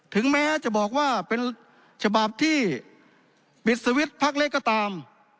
ถึงแม้จะบอกว่าเป็นฉบับที่ปิดสวิตช์พักเล็กก็ตาม